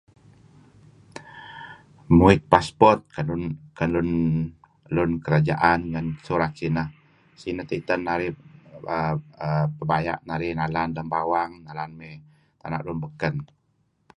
um muit passport ken lun lun kerajaan ngen surat sineh sineh teh iten narih um pebaya narih nalan lun bawang nalan mey tana lun beken